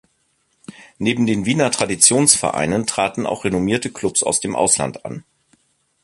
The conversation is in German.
Neben den Wiener Traditionsvereinen traten auch renommierte Klubs aus dem Ausland an.